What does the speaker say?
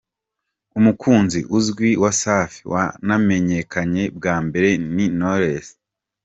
Umukunzi uzwi wa Safi wanamenyekanye bwa mbere ni Knowless.